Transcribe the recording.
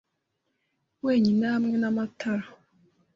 wenyine hamwe n'amatara.